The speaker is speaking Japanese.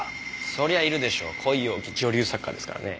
そりゃいるでしょう恋多き女流作家ですからね。